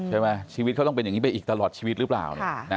ชีวิตเขาต้องเป็นอย่างนี้ไปอีกตลอดชีวิตหรือเปล่า